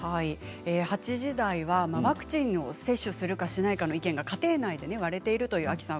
８時台はワクチンを接種するかしないかで家庭内で割れているというアキさん